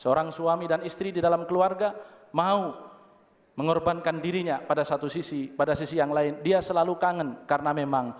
seorang suami dan istri di dalam keluarga mau mengorbankan dirinya pada satu sisi pada sisi yang lain dia selalu kangen karena memang